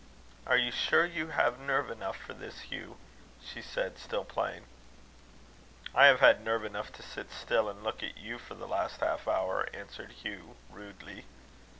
"Are you sure you have nerve enough for this, Hugh?" she said, still playing. "I have had nerve enough to sit still and look at you for the last half hour," answered Hugh, rudely.